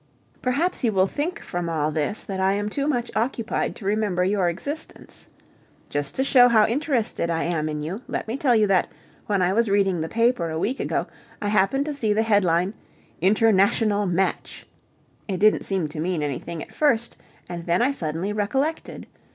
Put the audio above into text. Perhaps you will think from all this that I am too much occupied to remember your existence. Just to show how interested I am in you, let me tell you that, when I was reading the paper a week ago, I happened to see the headline, "International Match." It didn't seem to mean anything at first, and then I suddenly recollected.